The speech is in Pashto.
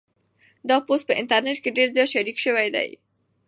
دا پوسټ په انټرنيټ کې ډېر زیات شریک شوی دی.